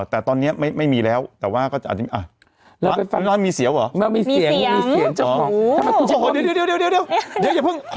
แต่ตอนเนี้ยไม่ไม่มีแล้วแต่ว่าก็จะอาจจะอ่ะแล้วไปฟังแล้วมีเสียวเหรอ